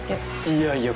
いやいや。